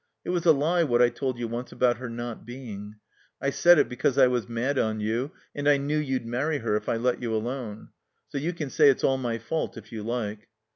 It was a lie what I told you once about her not being. I said it because I was mad on you, and I knew you'd many her if I let you alone. So you can say it's all my fault, if you like.